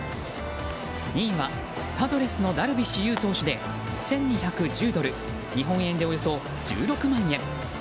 ２位はパドレスのダルビッシュ有投手で１２１０ドル日本円でおよそ１６万円。